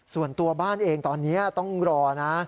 ส่วนตัวบ้านเองตอนนี้ต้องรอนะ